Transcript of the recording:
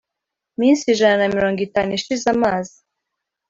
minsi ijana na mirongo itanu ishize amazi